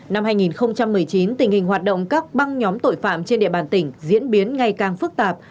năm hai nghìn một mươi chín tình hình hoạt động các băng nhóm tội phạm trên địa bàn tỉnh diễn biến ngày càng phức tạp